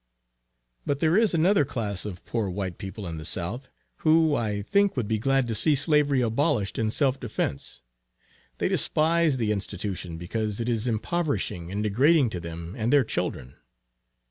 But there is another class of poor white people in the South, who, I think would be glad to see slavery abolished in self defence; they despise the institution because it is impoverishing and degrading to them and their children.